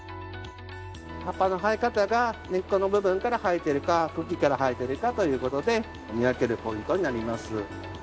葉っぱの生え方が根っこの部分から生えているか茎から生えているかという事で見分けるポイントになります。